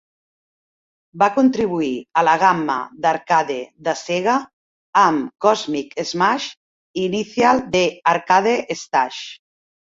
Va contribuir a la gamma d'arcade de Sega amb "Cosmic smash" i "Initial D arcade stage".